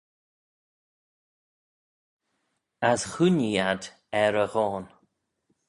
As chooinee ad er e ghoan.